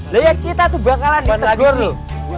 lihat kita tuh bakalan ditegur nih